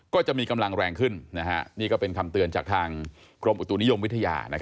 ก็จะมีกำลังแรงขึ้นนี่ก็เป็นคำเตือนจากทางกรมอุตุนิยมวิทยา